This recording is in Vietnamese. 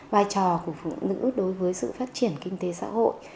vai trò của phụ nữ đối với sự phát triển kinh tế xã hội